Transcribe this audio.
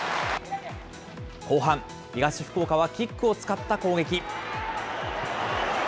後半、東福岡はキックを使った攻撃。